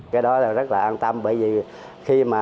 cái đó là rất là an tâm bởi vì khi mà đồ mặn